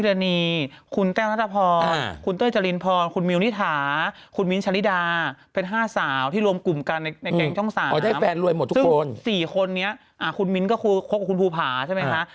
อ๋อได้แฟนรวยหมดทุกคนซึ่ง๔คนนี้คุณมิ้นท์ก็คุกกับคุณภูผาใช่ไหมคะ